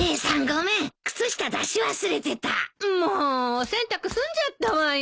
お洗濯済んじゃったわよ。